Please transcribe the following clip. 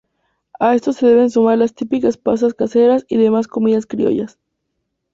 A estos se deben sumar las típicas pastas caseras y demás comidas criollas.